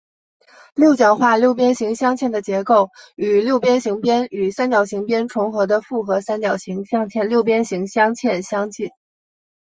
六角化六边形镶嵌的结构与六边形边与三角形边重合的复合三角形镶嵌六边形镶嵌相近。